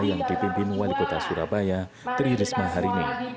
yang dipimpin wali kota surabaya tri risma hari ini